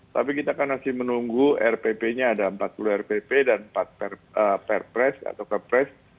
tapi kita kan masih menunggu rpp nya ada empat puluh rpp dan empat perpres atau kepres